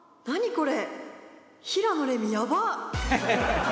これ！